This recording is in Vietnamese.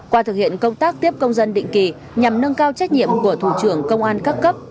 qua thực hiện công tác tiếp công dân định kỳ nhằm nâng cao trách nhiệm của thủ trưởng công an các cấp